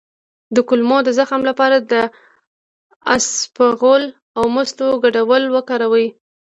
د کولمو د زخم لپاره د اسپغول او مستو ګډول وکاروئ